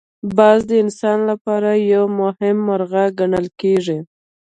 باز د انسان لپاره یو مهم مرغه ګڼل کېږي